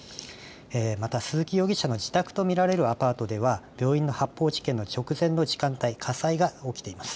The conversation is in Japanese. また、鈴木容疑者の自宅と見られるアパートでは病院の発砲事件の直前の時間帯火災が起きています。